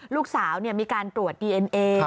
ลูกสาวมีการตรวจดีเอ็นเอ